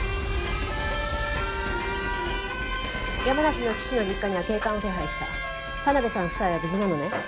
山梨の岸の実家には警官を手配した田辺さん夫妻は無事なのね？